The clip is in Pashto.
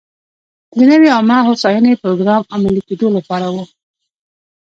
د نوې عامه هوساینې پروګرام عملي کېدو لپاره و.